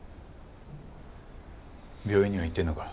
病院には行ってんのか？